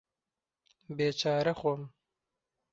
بێچارە خۆم